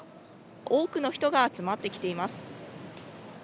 多くの人が集まってきています。